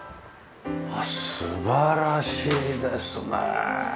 素晴らしいですね。